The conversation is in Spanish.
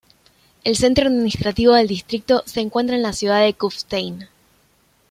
El centro administrativo del distrito se encuentra en la ciudad de Kufstein.